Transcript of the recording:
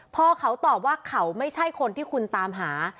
พอเขาตอบว่าเขาไม่ใช่คนที่คุณตามหา